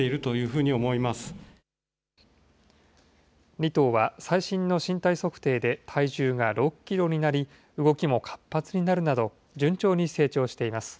２頭は最新の身体測定で体重が６キロになり、動きも活発になるなど、順調に成長しています。